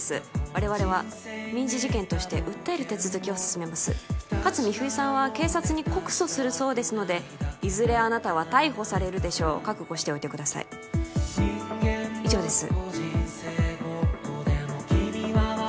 我々は民事事件として訴える手続きを進めますかつ美冬さんは警察に告訴するそうですのでいずれあなたは逮捕されるでしょう覚悟しておいてください以上です